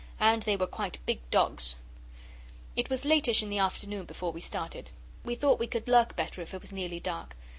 And they were quite big dogs. It was latish in the afternoon before we started. We thought we could lurk better if it was nearly dark.